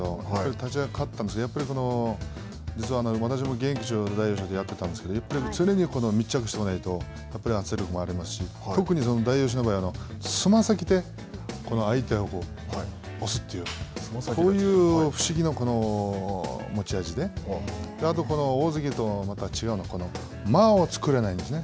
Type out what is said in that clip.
立ち合い、勝ったんですが、実は私も現役時代、大栄翔とやったんですけど、圧力もありますし、特に大栄翔の場合は、つま先で相手を押すという、こういう不思議な持ち味で、あと大関と違うのは間を作れないんですね。